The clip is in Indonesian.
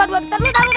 taruh taruh taruh